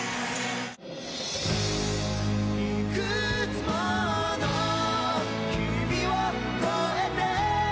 「いくつもの日々を越えて」